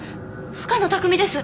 深野拓実です！